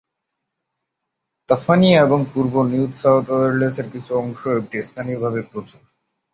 Tasmania এবং পূর্ব New South ওয়েলসের কিছু অংশে এটি স্থানীয়ভাবে প্রচুর।